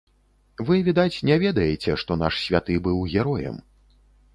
Вы, відаць, не ведаеце, што наш святы быў героем.